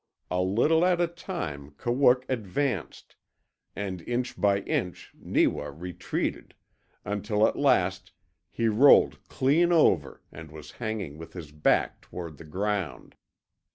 A little at a time Kawook advanced, and inch by inch Neewa retreated, until at last he rolled clean over and was hanging with his back toward the ground.